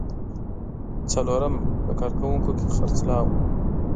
څلورم: په کارکوونکو خرڅلاو.